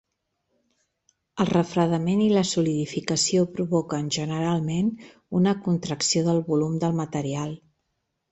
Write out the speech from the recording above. El refredament i la solidificació provoquen, generalment, una contracció del volum del material.